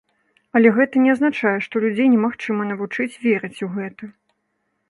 Але гэта не азначае, што людзей немагчыма навучыць верыць у гэта.